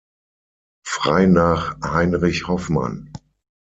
Frei nach Heinrich Hoffmann.